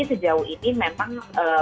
sejauh ini memang